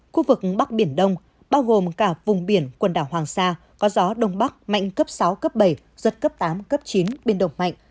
khu vực bắc biển đông bao gồm cả vùng biển quần đảo hoàng sa có gió đông bắc mạnh cấp sáu cấp bảy giật cấp tám cấp chín biển động mạnh